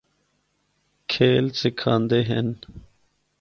کھیل سکھاندے ہن۔